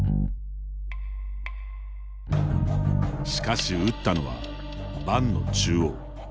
しかし打ったのは盤の中央。